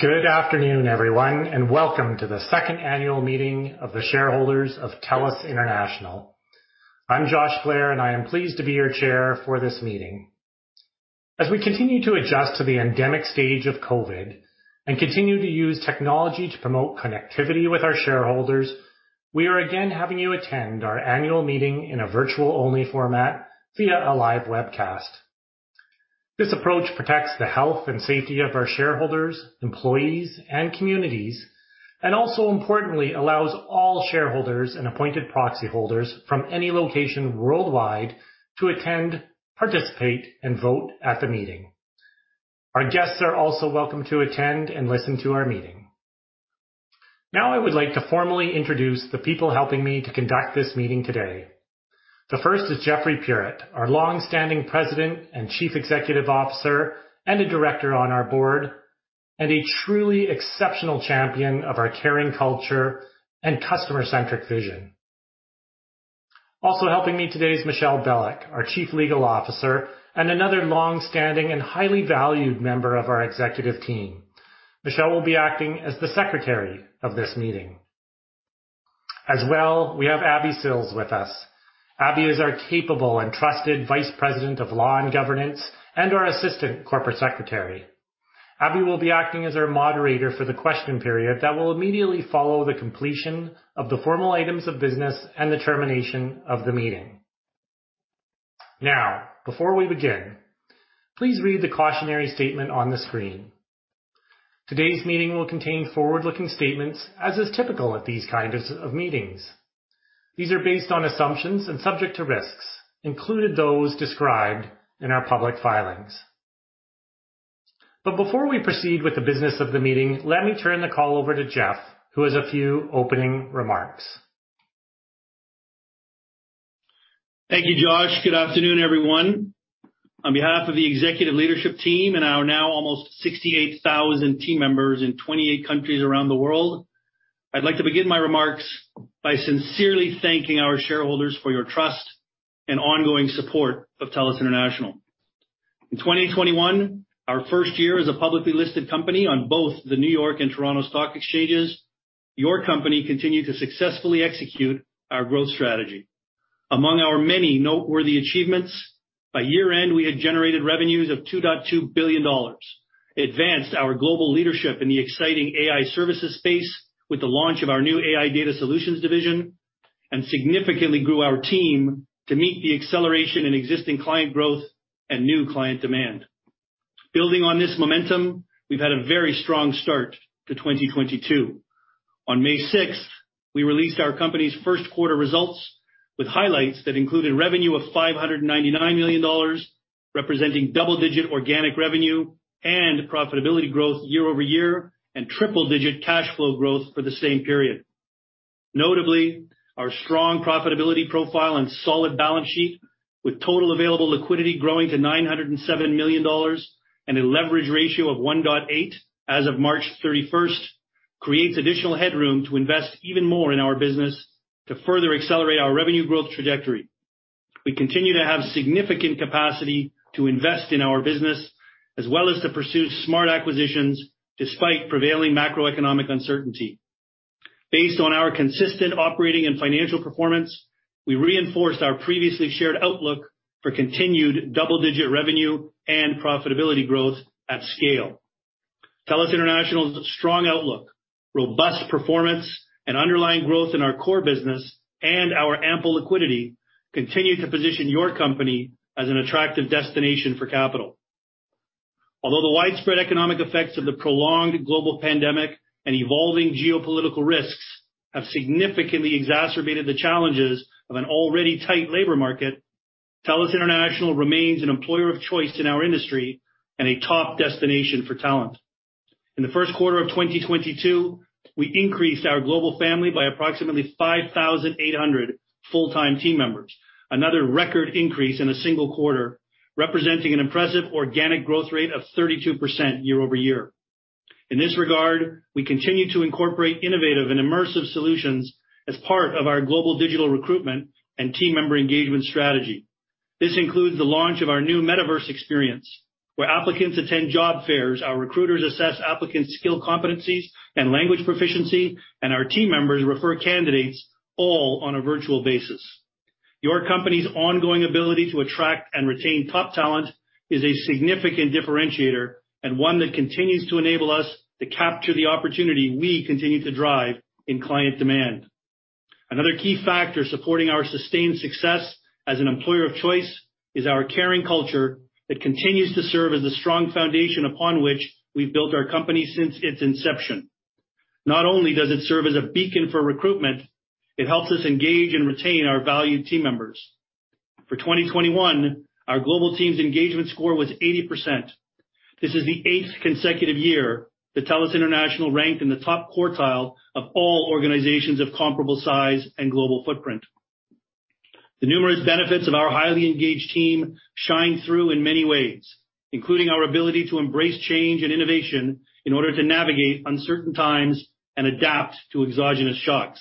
Good afternoon, everyone, and welcome to the second annual meeting of the shareholders of TELUS International. I'm Josh Blair, and I am pleased to be your chair for this meeting. As we continue to adjust to the endemic stage of COVID and continue to use technology to promote connectivity with our shareholders, we are again having you attend our annual meeting in a virtual-only format via a live webcast. This approach protects the health and safety of our shareholders, employees, and communities and also importantly allows all shareholders and appointed proxy holders from any location worldwide to attend, participate, and vote at the meeting. Our guests are also welcome to attend and listen to our meeting. Now, I would like to formally introduce the people helping me to conduct this meeting today. The first is Jeffrey Puritt, our long-standing President and Chief Executive Officer and a Director on our board, and a truly exceptional champion of our caring culture and customer-centric vision. Also helping me today is Michel Bélec, our Chief Legal Officer and another long-standing and highly valued member of our executive team. Michel will be acting as the Secretary of this meeting. As well, we have Abby Sills with us. Abby is our capable and trusted Vice President of Law and Governance and our Assistant Corporate Secretary. Abby will be acting as our moderator for the question period that will immediately follow the completion of the formal items of business and the termination of the meeting. Now, before we begin, please read the cautionary statement on the screen. Today's meeting will contain forward-looking statements, as is typical at these kinds of meetings. These are based on assumptions and subject to risks, including those described in our public filings. Before we proceed with the business of the meeting, let me turn the call over to Jeff, who has a few opening remarks. Thank you, Josh. Good afternoon, everyone. On behalf of the executive leadership team and our now almost 68,000 team members in 28 countries around the world, I'd like to begin my remarks by sincerely thanking our shareholders for your trust and ongoing support of TELUS International. In 2021, our first year as a publicly listed company on both the New York and Toronto Stock Exchanges, your company continued to successfully execute our growth strategy. Among our many noteworthy achievements, by year-end we had generated revenues of $2.2 billion, advanced our global leadership in the exciting AI services space with the launch of our new AI Data Solutions division, and significantly grew our team to meet the acceleration in existing client growth and new client demand. Building on this momentum, we've had a very strong start to 2022. On May sixth, we released our company's first quarter results with highlights that included revenue of $599 million, representing double-digit organic revenue and profitability growth year-over-year and triple-digit cash flow growth for the same period. Notably, our strong profitability profile and solid balance sheet, with total available liquidity growing to $907 million and a leverage ratio of 1.8 as of March thirty-first, creates additional headroom to invest even more in our business to further accelerate our revenue growth trajectory. We continue to have significant capacity to invest in our business as well as to pursue smart acquisitions despite prevailing macroeconomic uncertainty. Based on our consistent operating and financial performance, we reinforced our previously shared outlook for continued double-digit revenue and profitability growth at scale. TELUS International's strong outlook, robust performance, and underlying growth in our core business and our ample liquidity continue to position your company as an attractive destination for capital. Although the widespread economic effects of the prolonged global pandemic and evolving geopolitical risks have significantly exacerbated the challenges of an already tight labor market, TELUS International remains an employer of choice in our industry and a top destination for talent. In the first quarter of 2022, we increased our global family by approximately 5,800 full-time team members, another record increase in a single quarter, representing an impressive organic growth rate of 32% year over year. In this regard, we continue to incorporate innovative and immersive solutions as part of our global digital recruitment and team member engagement strategy. This includes the launch of our new metaverse experience, where applicants attend job fairs, our recruiters assess applicants' skill competencies and language proficiency, and our team members refer candidates, all on a virtual basis. Your company's ongoing ability to attract and retain top talent is a significant differentiator and one that continues to enable us to capture the opportunity we continue to drive in client demand. Another key factor supporting our sustained success as an employer of choice is our caring culture that continues to serve as the strong foundation upon which we've built our company since its inception. Not only does it serve as a beacon for recruitment, it helps us engage and retain our valued team members. For 2021, our global team's engagement score was 80%. This is the eighth consecutive year that TELUS International ranked in the top quartile of all organizations of comparable size and global footprint. The numerous benefits of our highly engaged team shine through in many ways, including our ability to embrace change and innovation in order to navigate uncertain times and adapt to exogenous shocks.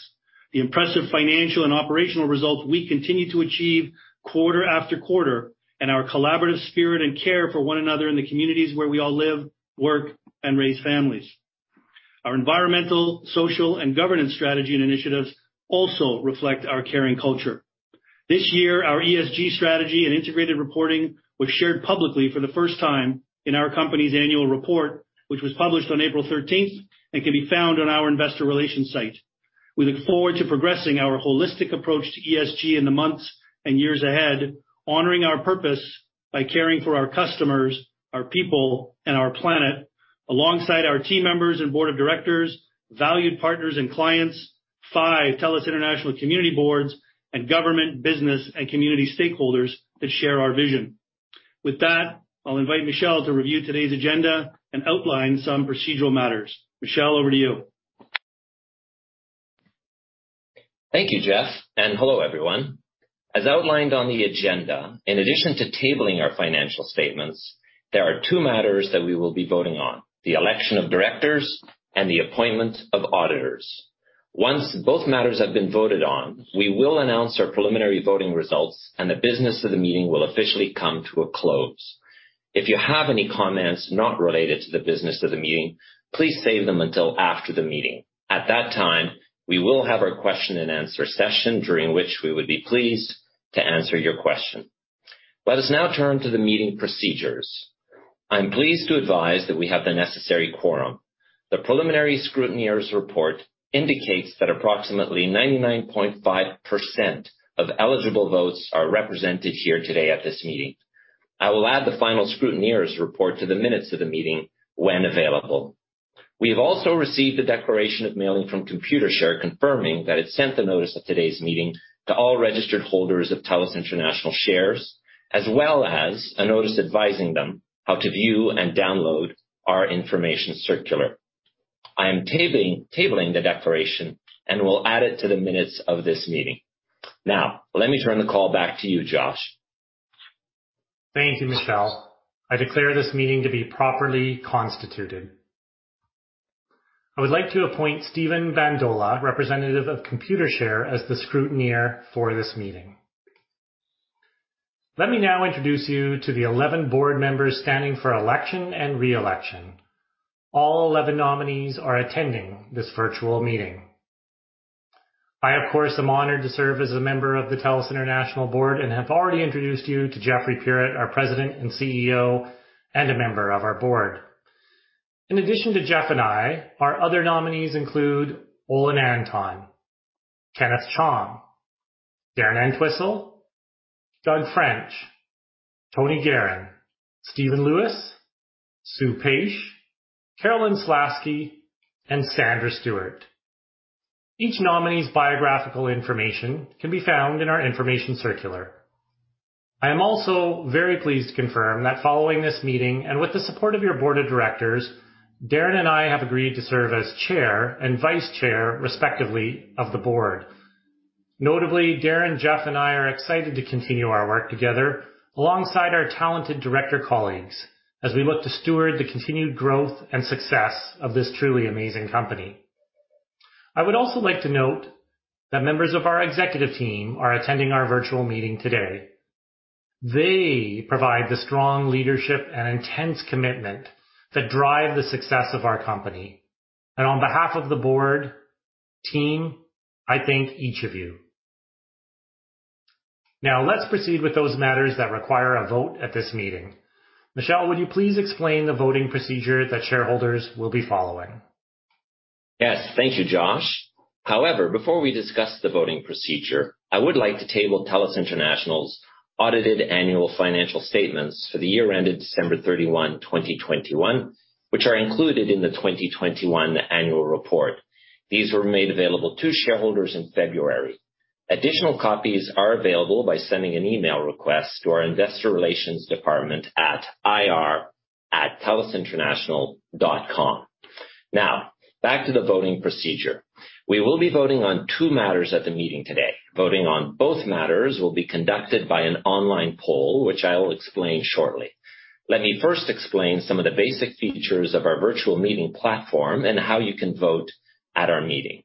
The impressive financial and operational results we continue to achieve quarter after quarter and our collaborative spirit and care for one another in the communities where we all live, work, and raise families. Our environmental, social and governance strategy and initiatives also reflect our caring culture. This year, our ESG strategy and integrated reporting was shared publicly for the first time in our company's annual report, which was published on April thirteenth, and can be found on our investor relations site. We look forward to progressing our holistic approach to ESG in the months and years ahead, honoring our purpose by caring for our customers, our people, and our planet, alongside our team members and board of directors, valued partners and clients, five TELUS International community boards and government business and community stakeholders that share our vision. With that, I'll invite Michel Bélec to review today's agenda and outline some procedural matters. Michel Bélec, over to you. Thank you, Jeff, and hello, everyone. As outlined on the agenda, in addition to tabling our financial statements, there are two matters that we will be voting on. The election of directors and the appointment of auditors. Once both matters have been voted on, we will announce our preliminary voting results and the business of the meeting will officially come to a close. If you have any comments not related to the business of the meeting, please save them until after the meeting. At that time, we will have our question and answer session, during which we would be pleased to answer your question. Let us now turn to the meeting procedures. I'm pleased to advise that we have the necessary quorum. The preliminary scrutineers' report indicates that approximately 99.5% of eligible votes are represented here today at this meeting. I will add the final scrutineers report to the minutes of the meeting when available. We have also received a declaration of mailing from Computershare confirming that it sent the notice of today's meeting to all registered holders of TELUS International shares, as well as a notice advising them how to view and download our information circular. I am tabling the declaration and will add it to the minutes of this meeting. Now, let me turn the call back to you, Josh. Thank you, Michel. I declare this meeting to be properly constituted. I would like to appoint Steven Bandola, representative of Computershare, as the scrutineer for this meeting. Let me now introduce you to the 11 board members standing for election and re-election. All 11 nominees are attending this virtual meeting. I, of course, am honored to serve as a member of the TELUS International Board and have already introduced you to Jeffrey Puritt, our President and CEO, and a member of our board. In addition to Jeff and I, our other nominees include Olena Lobach, Kenneth Chong, Darren Entwistle, Doug French, Tony Geheran, Stephen Lewis, Sue Paish, Carolyn Slaski, and Sandra Stuart. Each nominee's biographical information can be found in our information circular. I am also very pleased to confirm that following this meeting and with the support of your board of directors, Darren and I have agreed to serve as chair and vice chair, respectively, of the board. Notably, Darren, Jeff, and I are excited to continue our work together alongside our talented director colleagues as we look to steward the continued growth and success of this truly amazing company. I would also like to note that members of our executive team are attending our virtual meeting today. They provide the strong leadership and intense commitment that drive the success of our company. On behalf of the board, team, I thank each of you. Now, let's proceed with those matters that require a vote at this meeting. Michel, would you please explain the voting procedure that shareholders will be following? Yes, thank you, Josh. However, before we discuss the voting procedure, I would like to table TELUS International's audited annual financial statements for the year ended December 31, 2021, which are included in the 2021 annual report. These were made available to shareholders in February. Additional copies are available by sending an email request to our investor relations department at ir@telusinternational.com. Now, back to the voting procedure. We will be voting on two matters at the meeting today. Voting on both matters will be conducted by an online poll, which I will explain shortly. Let me first explain some of the basic features of our virtual meeting platform and how you can vote at our meeting.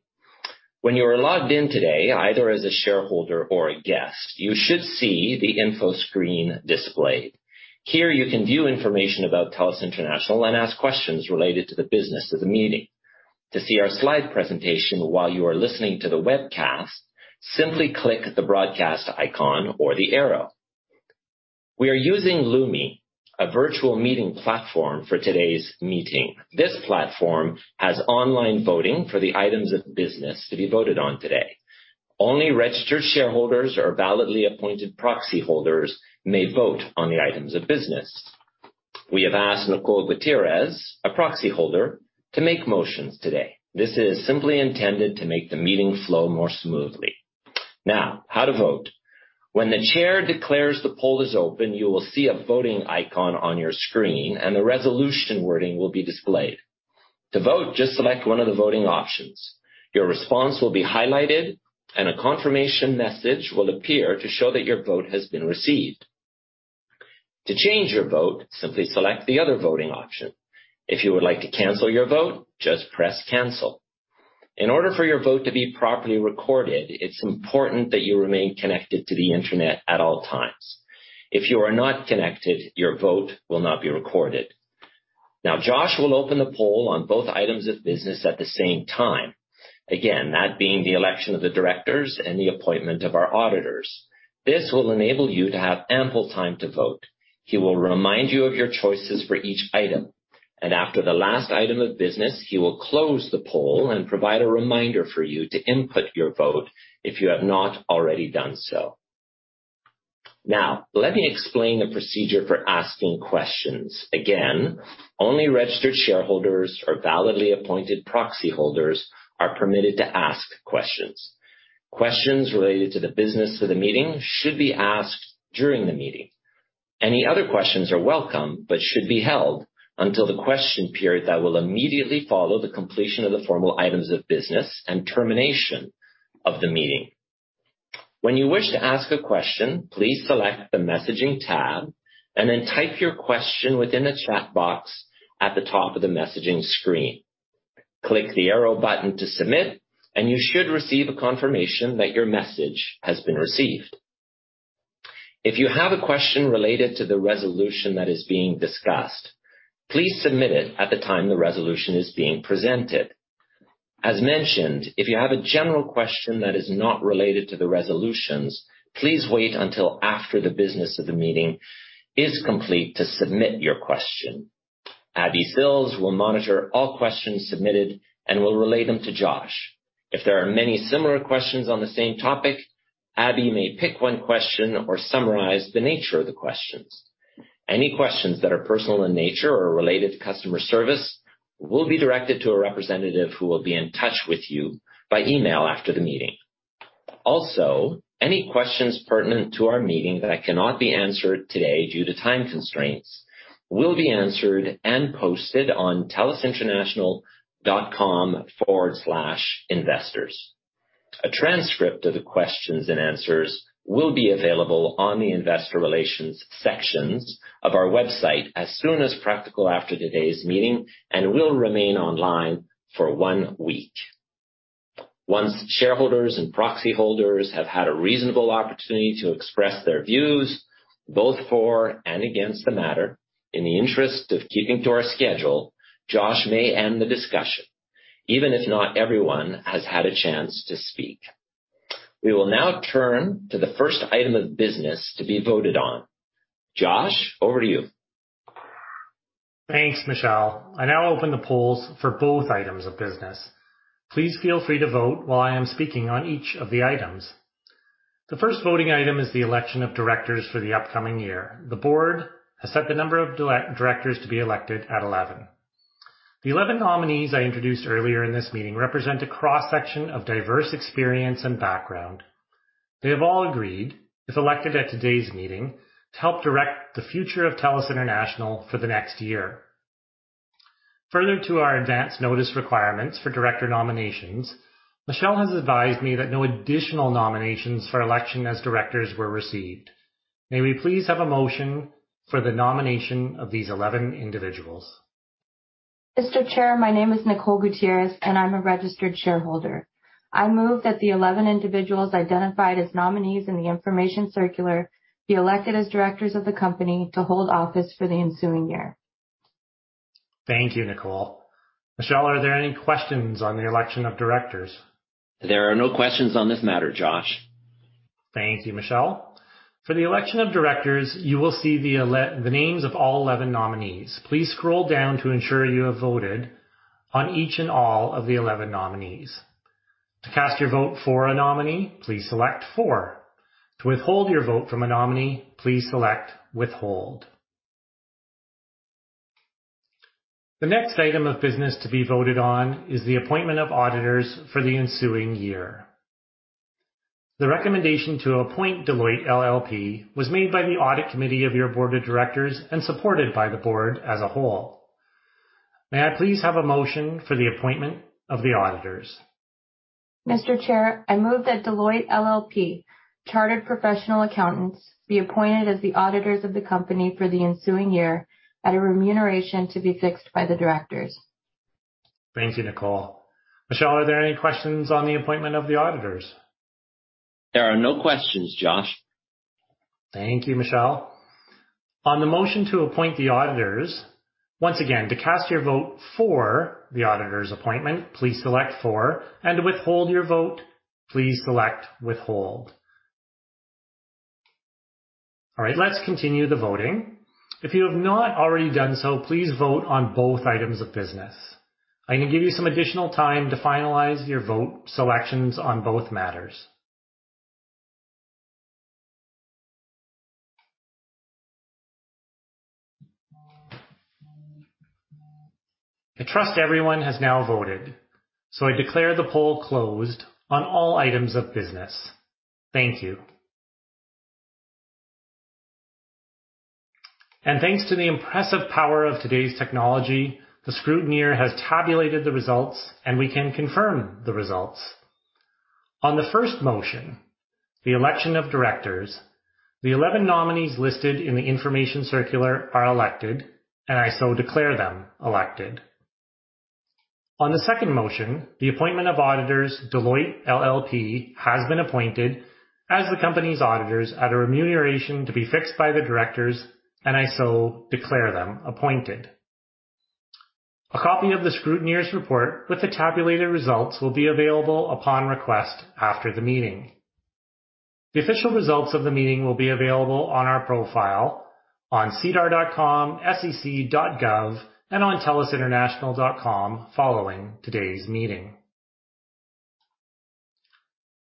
When you are logged in today, either as a shareholder or a guest, you should see the info screen displayed. Here, you can view information about TELUS International and ask questions related to the business of the meeting. To see our slide presentation while you are listening to the webcast, simply click the broadcast icon or the arrow. We are using Lumi, a virtual meeting platform for today's meeting. This platform has online voting for the items of business to be voted on today. Only registered shareholders or validly appointed proxy holders may vote on the items of business. We have asked Nicole Gutierrez, a proxy holder, to make motions today. This is simply intended to make the meeting flow more smoothly. Now, how to vote. When the chair declares the poll is open, you will see a voting icon on your screen and the resolution wording will be displayed. To vote, just select one of the voting options. Your response will be highlighted and a confirmation message will appear to show that your vote has been received. To change your vote, simply select the other voting option. If you would like to cancel your vote, just press Cancel. In order for your vote to be properly recorded, it's important that you remain connected to the internet at all times. If you are not connected, your vote will not be recorded. Now, Josh will open the poll on both items of business at the same time. Again, that being the election of the directors and the appointment of our auditors. This will enable you to have ample time to vote. He will remind you of your choices for each item. After the last item of business, he will close the poll and provide a reminder for you to input your vote if you have not already done so. Now let me explain the procedure for asking questions. Again, only registered shareholders or validly appointed proxy holders are permitted to ask questions. Questions related to the business of the meeting should be asked during the meeting. Any other questions are welcome, but should be held until the question period that will immediately follow the completion of the formal items of business and termination of the meeting. When you wish to ask a question, please select the messaging tab and then type your question within the chat box at the top of the messaging screen. Click the arrow button to submit, and you should receive a confirmation that your message has been received. If you have a question related to the resolution that is being discussed, please submit it at the time the resolution is being presented. As mentioned, if you have a general question that is not related to the resolutions, please wait until after the business of the meeting is complete to submit your question. Abby Sills will monitor all questions submitted and will relay them to Josh. If there are many similar questions on the same topic, Abby may pick one question or summarize the nature of the questions. Any questions that are personal in nature or related to customer service will be directed to a representative who will be in touch with you by email after the meeting. Also, any questions pertinent to our meeting that cannot be answered today due to time constraints will be answered and posted on telusinternational.com/investors. A transcript of the questions and answers will be available on the investor relations sections of our website as soon as practical after today's meeting and will remain online for one week. Once shareholders and proxy holders have had a reasonable opportunity to express their views both for and against the matter, in the interest of keeping to our schedule, Josh may end the discussion, even if not everyone has had a chance to speak. We will now turn to the first item of business to be voted on. Josh, over to you. Thanks, Michel. I now open the polls for both items of business. Please feel free to vote while I am speaking on each of the items. The first voting item is the election of directors for the upcoming year. The board has set the number of directors to be elected at 11. The 11 nominees I introduced earlier in this meeting represent a cross-section of diverse experience and background. They have all agreed, if elected at today's meeting, to help direct the future of TELUS International for the next year. Further to our advance notice requirements for director nominations, Michel has advised me that no additional nominations for election as directors were received. May we please have a motion for the nomination of these 11 individuals? Mr. Chair, my name is Nicole Gutierrez, and I'm a registered shareholder. I move that the 11 individuals identified as nominees in the information circular be elected as directors of the company to hold office for the ensuing year. Thank you, Nicole. Michelle, are there any questions on the election of directors? There are no questions on this matter, Josh. Thank you, Michel. For the election of directors, you will see the names of all 11 nominees. Please scroll down to ensure you have voted on each and all of the 11 nominees. To cast your vote for a nominee, please select "For." To withhold your vote from a nominee, please select "Withhold." The next item of business to be voted on is the appointment of auditors for the ensuing year. The recommendation to appoint Deloitte LLP was made by the audit committee of your board of directors and supported by the board as a whole. May I please have a motion for the appointment of the auditors. Mr. Chair, I move that Deloitte LLP, Chartered Professional Accountants, be appointed as the auditors of the company for the ensuing year at a remuneration to be fixed by the directors. Thank you, Nicole. Michel, are there any questions on the appointment of the auditors? There are no questions, Josh. Thank you, Michel. On the motion to appoint the auditors, once again, to cast your vote for the auditors appointment, please select "For." To withhold your vote, please select "Withhold." All right, let's continue the voting. If you have not already done so, please vote on both items of business. I'm gonna give you some additional time to finalize your vote selections on both matters. I trust everyone has now voted, so I declare the poll closed on all items of business. Thank you. Thanks to the impressive power of today's technology, the scrutineer has tabulated the results, and we can confirm the results. On the first motion, the election of directors, the 11 nominees listed in the information circular are elected, and I so declare them elected. On the second motion, the appointment of auditors, Deloitte LLP has been appointed as the company's auditors at a remuneration to be fixed by the directors, and I so declare them appointed. A copy of the scrutineer's report with the tabulated results will be available upon request after the meeting. The official results of the meeting will be available on our profile on SEDAR, sec.gov, and on telusinternational.com following today's meeting.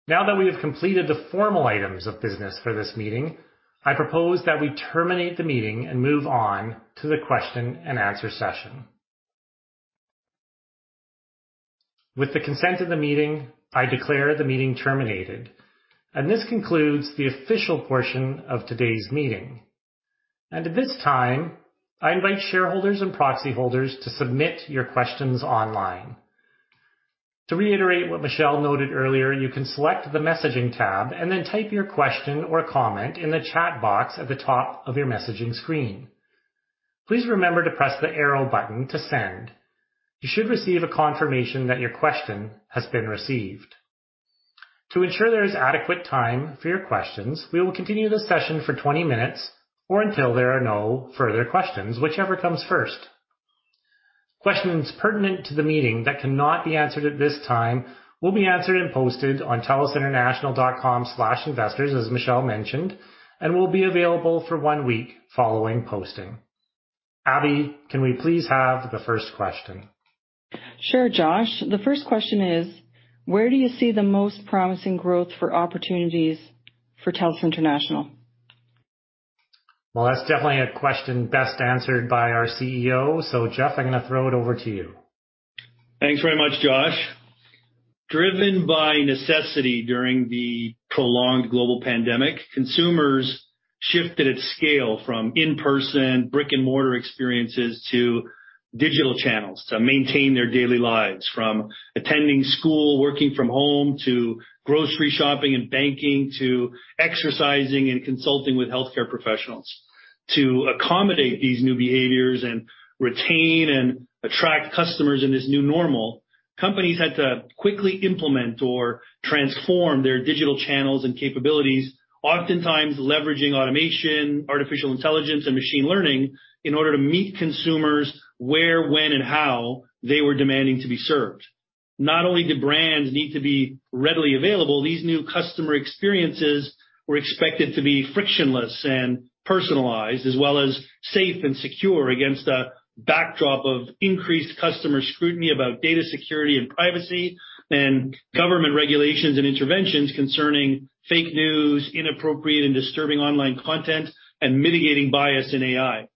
Now that we have completed the formal items of business for this meeting, I propose that we terminate the meeting and move on to the question and answer session. With the consent of the meeting, I declare the meeting terminated, and this concludes the official portion of today's meeting. At this time, I invite shareholders and proxy holders to submit your questions online. To reiterate what Michel noted earlier, you can select the messaging tab and then type your question or comment in the chat box at the top of your messaging screen. Please remember to press the arrow button to send. You should receive a confirmation that your question has been received. To ensure there is adequate time for your questions, we will continue this session for 20 minutes or until there are no further questions, whichever comes first. Questions pertinent to the meeting that cannot be answered at this time will be answered and posted on telusinternational.com/investors, as Michel mentioned, and will be available for one week following posting. Abby, can we please have the first question? Sure, Josh. The first question is: Where do you see the most promising growth for opportunities for TELUS International? Well, that's definitely a question best answered by our CEO. Jeff, I'm gonna throw it over to you. Thanks very much, Josh. Driven by necessity during the prolonged global pandemic, consumers shifted at scale from in-person brick-and-mortar experiences to digital channels to maintain their daily lives. From attending school, working from home, to grocery shopping and banking, to exercising and consulting with healthcare professionals. To accommodate these new behaviors and retain and attract customers in this new normal, companies had to quickly implement or transform their digital channels and capabilities, oftentimes leveraging automation, artificial intelligence, and machine learning in order to meet consumers where, when, and how they were demanding to be served. Not only did brands need to be readily available, these new customer experiences were expected to be frictionless and personalized, as well as safe and secure against a backdrop of increased customer scrutiny about data security and privacy and government regulations and interventions concerning fake news, inappropriate and disturbing online content, and mitigating bias in AI.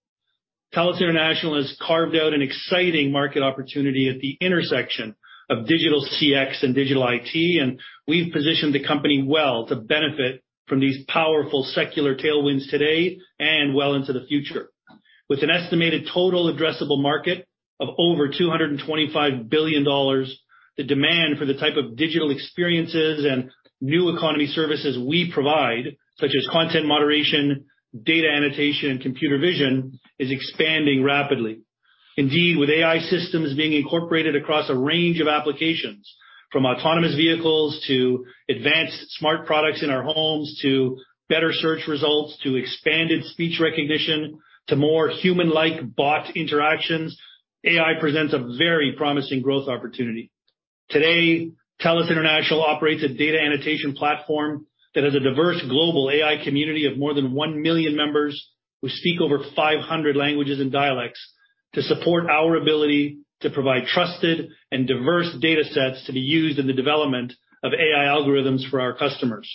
TELUS International has carved out an exciting market opportunity at the intersection of digital CX and digital IT, and we've positioned the company well to benefit from these powerful secular tailwinds today and well into the future. With an estimated total addressable market of over $225 billion, the demand for the type of digital experiences and new economy services we provide, such as content moderation, data annotation, and computer vision, is expanding rapidly. Indeed, with AI systems being incorporated across a range of applications from autonomous vehicles to advanced smart products in our homes, to better search results, to expanded speech recognition, to more human-like bot interactions, AI presents a very promising growth opportunity. Today, TELUS International operates a data annotation platform that has a diverse global AI community of more than 1 million members who speak over 500 languages and dialects to support our ability to provide trusted and diverse datasets to be used in the development of AI algorithms for our customers.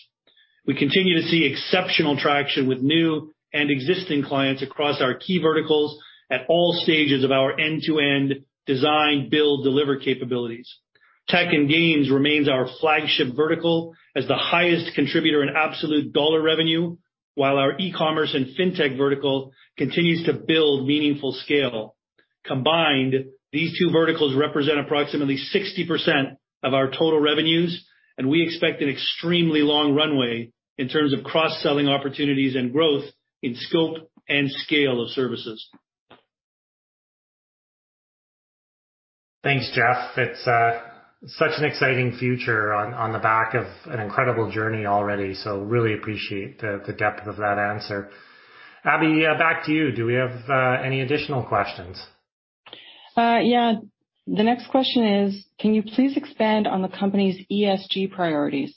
We continue to see exceptional traction with new and existing clients across our key verticals at all stages of our end-to-end design, build, deliver capabilities. Tech and Games remains our flagship vertical as the highest contributor in absolute dollar revenue, while our e-commerce and fintech vertical continues to build meaningful scale. Combined, these two verticals represent approximately 60% of our total revenues, and we expect an extremely long runway in terms of cross-selling opportunities and growth in scope and scale of services. Thanks, Jeff. It's such an exciting future on the back of an incredible journey already. Really appreciate the depth of that answer. Abby, back to you. Do we have any additional questions? Yeah. The next question is: Can you please expand on the company's ESG priorities?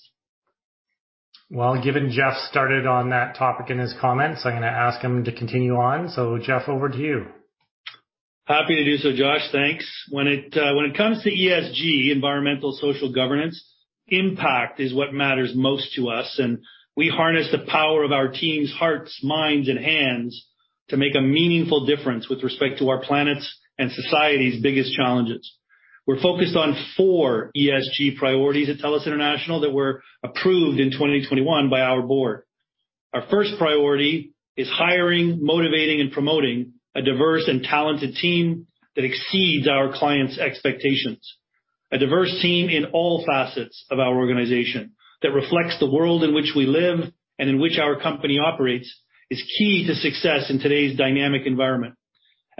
Well, given Jeff started on that topic in his comments, I'm gonna ask him to continue on. Jeff, over to you. Happy to do so, Josh. Thanks. When it comes to ESG, environmental social governance, impact is what matters most to us, and we harness the power of our team's hearts, minds, and hands to make a meaningful difference with respect to our planets and society's biggest challenges. We're focused on four ESG priorities at TELUS International that were approved in 2021 by our board. Our first priority is hiring, motivating, and promoting a diverse and talented team that exceeds our clients' expectations. A diverse team in all facets of our organization that reflects the world in which we live and in which our company operates, is key to success in today's dynamic environment.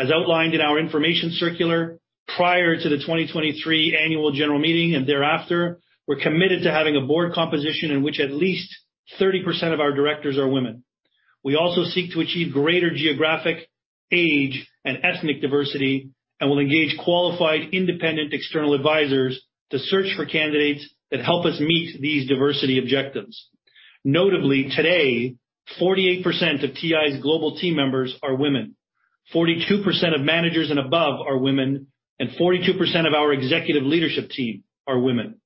As outlined in our information circular prior to the 2023 annual general meeting and thereafter, we're committed to having a board composition in which at least 30% of our directors are women. We also seek to achieve greater geographic, age, and ethnic diversity, and will engage qualified independent external advisors to search for candidates that help us meet these diversity objectives. Notably, today, 48% of TI's global team members are women. 42% of managers and above are women, and 42% of our executive leadership team are women.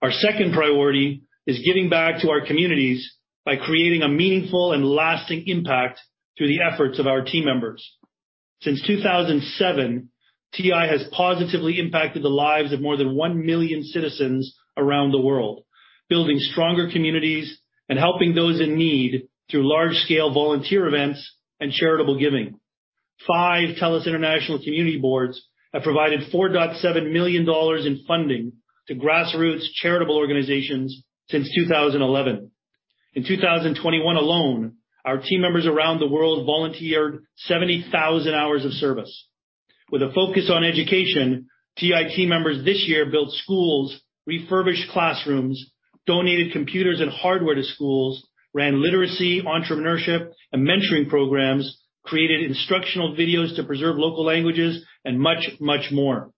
Our second priority is giving back to our communities by creating a meaningful and lasting impact through the efforts of our team members. Since 2007, TI has positively impacted the lives of more than 1 million citizens around the world, building stronger communities and helping those in need through large-scale volunteer events and charitable giving. Five TELUS International community boards have provided $4.7 million in funding to grassroots charitable organizations since 2011. In 2021 alone, our team members around the world volunteered 70,000 hours of service. With a focus on education, TI team members this year built schools, refurbished classrooms, donated computers and hardware to schools, ran literacy, entrepreneurship, and mentoring programs, created instructional videos to preserve local languages, and much, much more.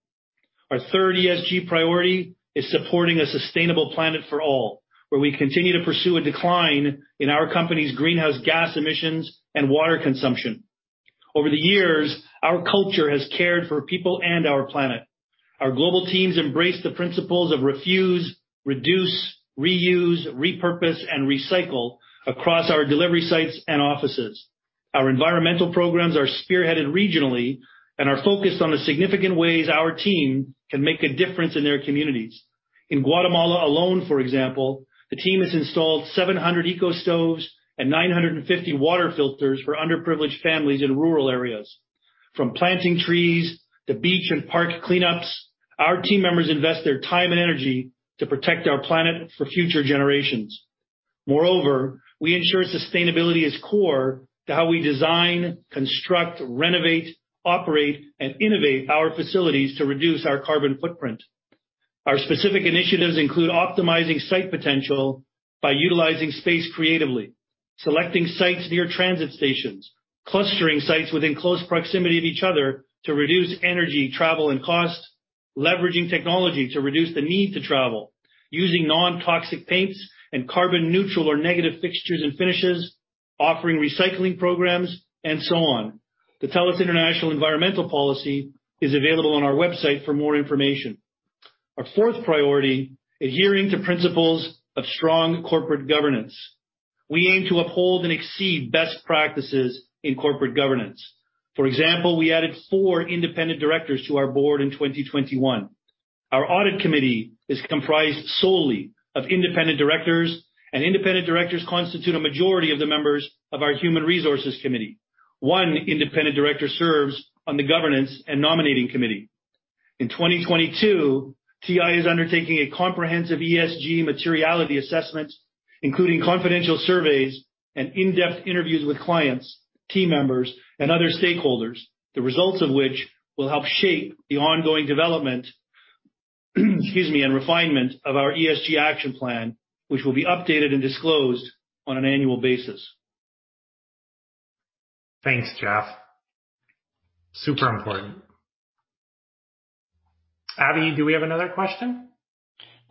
Our third ESG priority is supporting a sustainable planet for all, where we continue to pursue a decline in our company's greenhouse gas emissions and water consumption. Over the years, our culture has cared for people and our planet. Our global teams embrace the principles of refuse, reduce, reuse, repurpose, and recycle across our delivery sites and offices. Our environmental programs are spearheaded regionally and are focused on the significant ways our team can make a difference in their communities. In Guatemala alone, for example, the team has installed 700 eco-stoves and 950 water filters for underprivileged families in rural areas. From planting trees to beach and park cleanups, our team members invest their time and energy to protect our planet for future generations. Moreover, we ensure sustainability is core to how we design, construct, renovate, operate, and innovate our facilities to reduce our carbon footprint. Our specific initiatives include optimizing site potential by utilizing space creatively, selecting sites near transit stations, clustering sites within close proximity to each other to reduce energy, travel, and cost, leveraging technology to reduce the need to travel, using non-toxic paints and carbon neutral or negative fixtures and finishes, offering recycling programs, and so on. The TELUS International environmental policy is available on our website for more information. Our fourth priority, adhering to principles of strong corporate governance. We aim to uphold and exceed best practices in corporate governance. For example, we added four independent directors to our board in 2021. Our audit committee is comprised solely of independent directors, and independent directors constitute a majority of the members of our human resources committee. One independent director serves on the governance and nominating committee. In 2022, TI is undertaking a comprehensive ESG materiality assessment, including confidential surveys and in-depth interviews with clients, team members, and other stakeholders, the results of which will help shape the ongoing development, excuse me, and refinement of our ESG action plan, which will be updated and disclosed on an annual basis. Thanks, Jeff. Super important. Abby, do we have another question?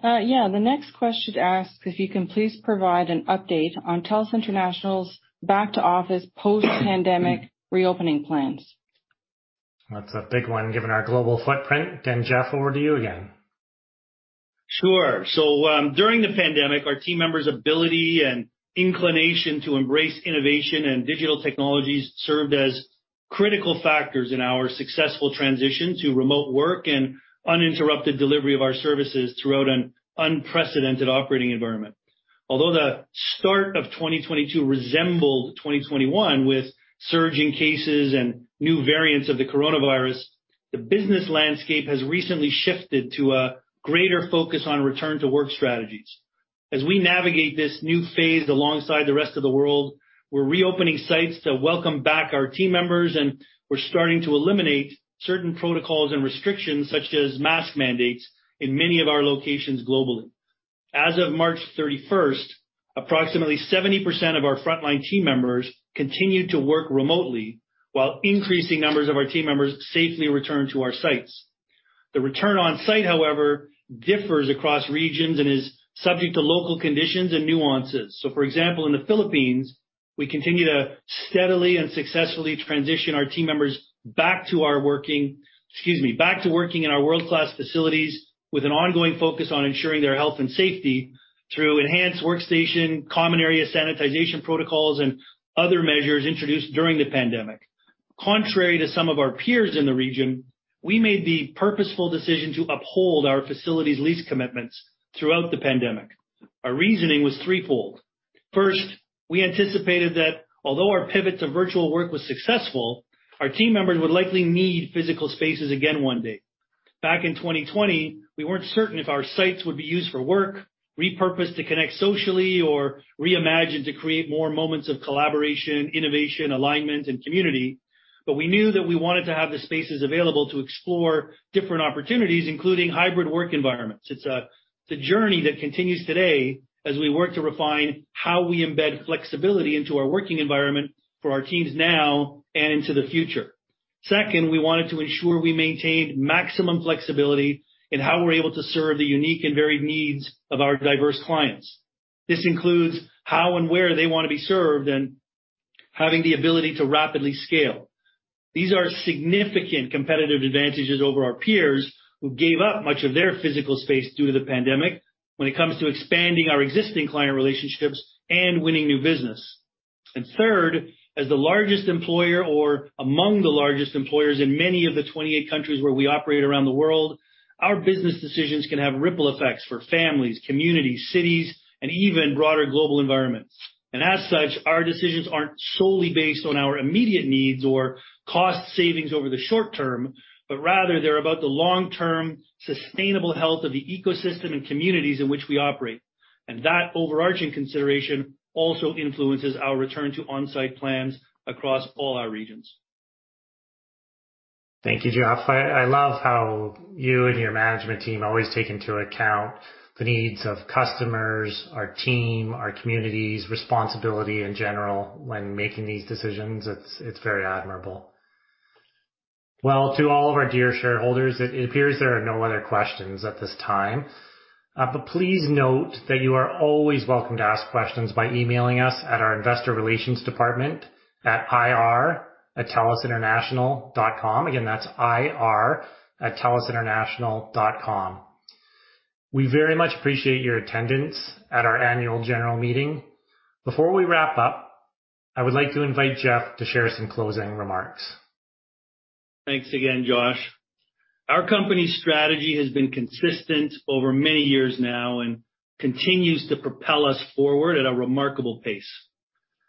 The next question asks if you can please provide an update on TELUS International's back to office post-pandemic reopening plans. That's a big one, given our global footprint, and Jeff, over to you again. Sure. During the pandemic, our team members' ability and inclination to embrace innovation and digital technologies served as critical factors in our successful transition to remote work and uninterrupted delivery of our services throughout an unprecedented operating environment. Although the start of 2022 resembled 2021 with surging cases and new variants of the coronavirus, the business landscape has recently shifted to a greater focus on return to work strategies. As we navigate this new phase alongside the rest of the world, we're reopening sites to welcome back our team members, and we're starting to eliminate certain protocols and restrictions such as mask mandates in many of our locations globally. As of March 31, approximately 70% of our frontline team members continued to work remotely while increasing numbers of our team members safely return to our sites. The return on site, however, differs across regions and is subject to local conditions and nuances. For example, in the Philippines, we continue to steadily and successfully transition our team members back to working in our world-class facilities with an ongoing focus on ensuring their health and safety through enhanced workstation, common area sanitization protocols, and other measures introduced during the pandemic. Contrary to some of our peers in the region, we made the purposeful decision to uphold our facilities lease commitments throughout the pandemic. Our reasoning was threefold. First, we anticipated that although our pivot to virtual work was successful, our team members would likely need physical spaces again one day. Back in 2020, we weren't certain if our sites would be used for work, repurposed to connect socially, or reimagined to create more moments of collaboration, innovation, alignment, and community. We knew that we wanted to have the spaces available to explore different opportunities, including hybrid work environments. It's the journey that continues today as we work to refine how we embed flexibility into our working environment for our teams now and into the future. Second, we wanted to ensure we maintained maximum flexibility in how we're able to serve the unique and varied needs of our diverse clients. This includes how and where they wanna be served and having the ability to rapidly scale. These are significant competitive advantages over our peers who gave up much of their physical space due to the pandemic when it comes to expanding our existing client relationships and winning new business. Third, as the largest employer or among the largest employers in many of the 28 countries where we operate around the world, our business decisions can have ripple effects for families, communities, cities, and even broader global environments. As such, our decisions aren't solely based on our immediate needs or cost savings over the short term, but rather they're about the long-term sustainable health of the ecosystem and communities in which we operate. That overarching consideration also influences our return to on-site plans across all our regions. Thank you, Jeff. I love how you and your management team always take into account the needs of customers, our team, our communities, responsibility in general when making these decisions. It's very admirable. Well, to all of our dear shareholders, it appears there are no other questions at this time. But please note that you are always welcome to ask questions by emailing us at our investor relations department at ir@telusinternational.com. Again, that's ir@telusinternational.com. We very much appreciate your attendance at our annual general meeting. Before we wrap up, I would like to invite Jeff to share some closing remarks. Thanks again, Josh. Our company's strategy has been consistent over many years now and continues to propel us forward at a remarkable pace.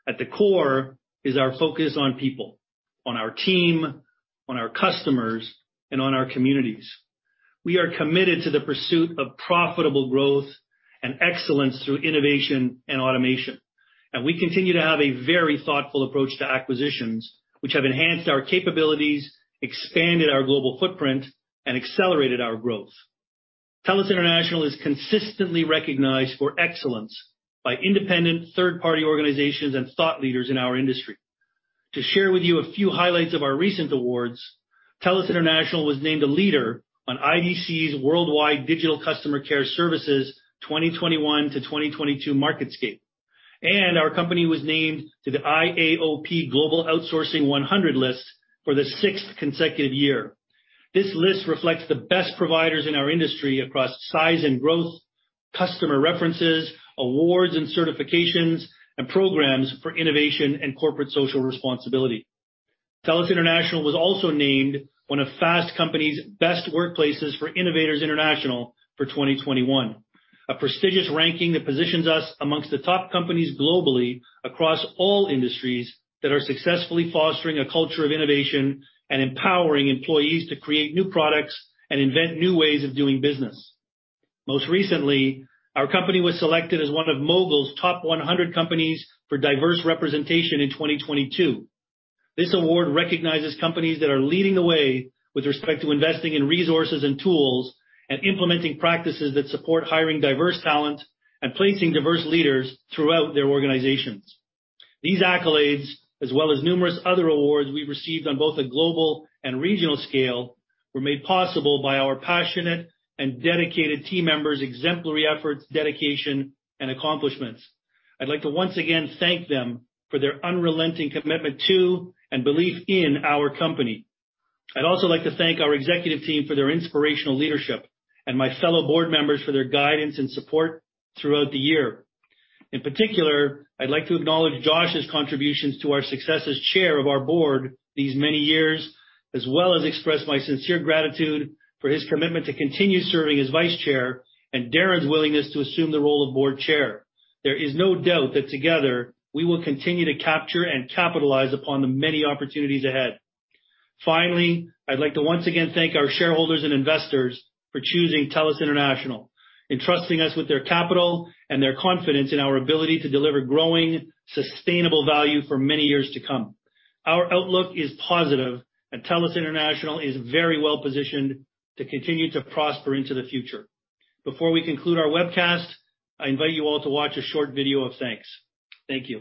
At the core is our focus on people, on our team, on our customers, and on our communities. We are committed to the pursuit of profitable growth and excellence through innovation and automation, and we continue to have a very thoughtful approach to acquisitions, which have enhanced our capabilities, expanded our global footprint, and accelerated our growth. TELUS International is consistently recognized for excellence by independent third-party organizations and thought leaders in our industry. To share with you a few highlights of our recent awards, TELUS International was named a leader on IDC's Worldwide Digital Customer Care Services 2021-2022 MarketScape, and our company was named to the IAOP Global Outsourcing 100 list for the sixth consecutive year. This list reflects the best providers in our industry across size and growth, customer references, awards and certifications, and programs for innovation and corporate social responsibility. TELUS International was also named one of Fast Company's Best Workplaces for Innovators International for 2021, a prestigious ranking that positions us amongst the top companies globally across all industries that are successfully fostering a culture of innovation and empowering employees to create new products and invent new ways of doing business. Most recently, our company was selected as one of Mogul's Top 100 companies for diverse representation in 2022. This award recognizes companies that are leading the way with respect to investing in resources and tools and implementing practices that support hiring diverse talent and placing diverse leaders throughout their organizations. These accolades, as well as numerous other awards we received on both a global and regional scale, were made possible by our passionate and dedicated team members' exemplary efforts, dedication, and accomplishments. I'd like to once again thank them for their unrelenting commitment to and belief in our company. I'd also like to thank our executive team for their inspirational leadership and my fellow board members for their guidance and support throughout the year. In particular, I'd like to acknowledge Josh's contributions to our success as chair of our board these many years, as well as express my sincere gratitude for his commitment to continue serving as vice chair, and Darren's willingness to assume the role of board chair. There is no doubt that together we will continue to capture and capitalize upon the many opportunities ahead. Finally, I'd like to once again thank our shareholders and investors for choosing TELUS International, entrusting us with their capital and their confidence in our ability to deliver growing, sustainable value for many years to come. Our outlook is positive, and TELUS International is very well-positioned to continue to prosper into the future. Before we conclude our webcast, I invite you all to watch a short video of thanks. Thank you.